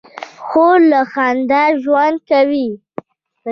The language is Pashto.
خور له خندا ژوند کوي.